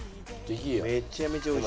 めちゃめちゃ美味しい。